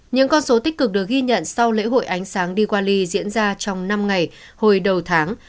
những con số tích cực được ghi nhận sau lễ hội ánh sáng diwali diễn ra trong năm ngày hồi đầu tháng